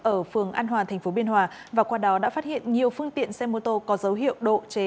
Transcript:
ở phường an hòa tp biên hòa và qua đó đã phát hiện nhiều phương tiện xe mô tô có dấu hiệu độ chế